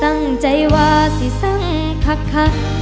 ตั้งใจว่าสิสังคัก